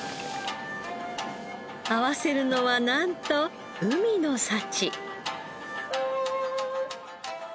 合わせるのはなんと海の幸。